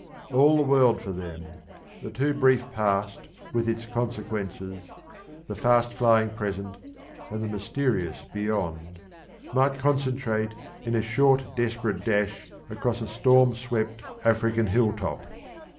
All the world for them the too brief past with its consequences, the fast flying present, and the mysterious beyond might concentrate in a short desperate dash across a storm swept African hilltop.